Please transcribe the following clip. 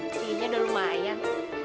kayaknya udah lumayan